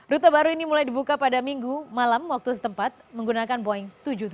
rute baru ini mulai dibuka pada minggu malam waktu setempat menggunakan boeing tujuh ratus tujuh puluh